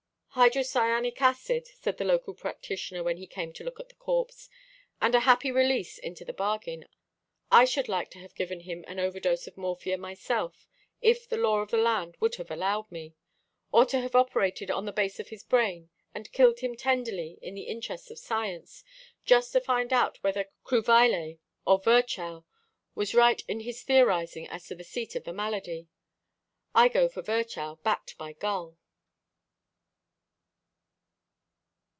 "Hydrocyanic acid," said the local practitioner when he came to look at the corpse, "and a happy release into the bargain. I should like to have given him an overdose of morphia myself, if the law of the land would have allowed me; or to have operated on the base of his brain and killed him tenderly in the interests of science, just to find out whether Cruveilhier or Virchow was right in his theorising as to the seat of the malady. I go for Virchow, backed by Gull."